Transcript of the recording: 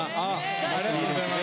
ありがとうございます。